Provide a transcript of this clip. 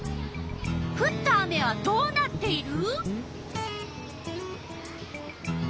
ふった雨はどうなっている？